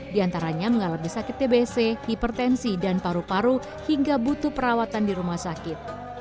di antaranya mengalami sakit tbc hipertensi dan paru paru hingga butuh perawatan di rumah sakit